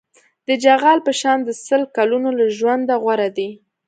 د چغال په شان د سل کلونو له ژونده غوره دی.